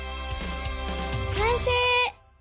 かんせい！